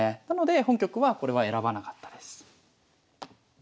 なので本局はこれは選ばなかったです。